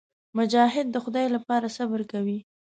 مجاهد د خدای لپاره صبر کوي.